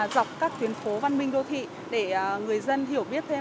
dọc các tuyến phố văn minh đô thị để người dân hiểu biết thêm